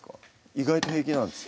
意外と平気なんですね